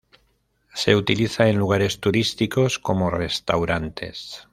Se utiliza en lugares turísticos como restaurantes.